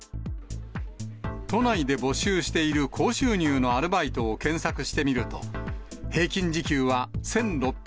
都内で募集している高収入のアルバイトを検索してみると、平均時